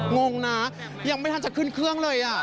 งงนะยังไม่ทันจะขึ้นเครื่องเลย